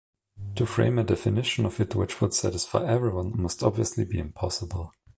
To frame a definition of it which would satisfy everyone must obviously be impossible.